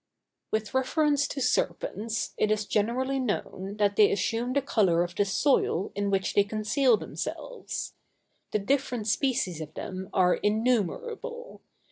_] With reference to serpents, it is generally known, that they assume the color of the soil in which they conceal themselves. The different species of them are innumerable.